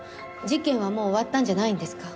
事件はもう終わったんじゃないんですか？